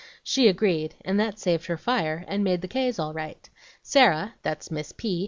She agreed, and that saved her fire, and made the K.'s all right. Sarah (that's Miss P.)